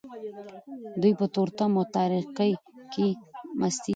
دوی په تورتم او تاریکۍ کې مستیږي.